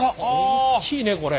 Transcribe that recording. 大きいねこれ。